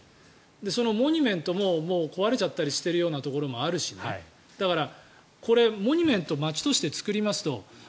そのモニュメント壊れちゃったりしてるところもあるしモニュメント町として作りますと。